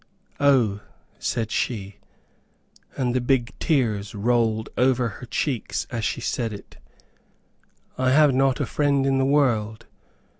"O!" said she, and the big tears rolled over her cheeks as she said it, "I have not a friend in the world.